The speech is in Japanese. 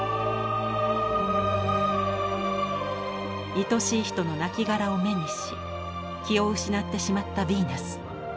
いとしい人のなきがらを目にし気を失ってしまったヴィーナス。